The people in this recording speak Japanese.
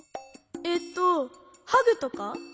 えっとハグとか？